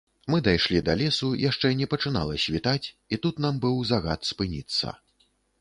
Мы дайшлі да лесу, яшчэ не пачынала світаць, і тут нам быў загад спыніцца.